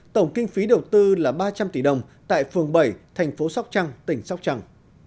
tổng kinh phí đầu tư là ba trăm linh tỷ đồng tại phường bảy thành phố sóc trăng tỉnh sóc trăng